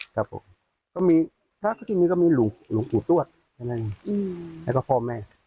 ถ้าเกิดที่นี่ก็มีหลวงปู่ทวดและก็พ่อแม่